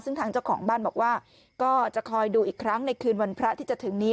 ซึ่งทางเจ้าของบ้านบอกว่าก็จะคอยดูอีกครั้งในคืนวันพระที่จะถึงนี้